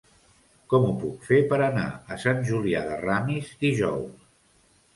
Com ho puc fer per anar a Sant Julià de Ramis dijous?